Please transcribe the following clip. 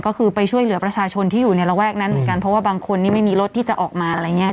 ก็คือไปช่วยเหลือประชาชนที่อยู่ในระแวกนั้นเหมือนกันเพราะว่าบางคนนี่ไม่มีรถที่จะออกมาอะไรอย่างนี้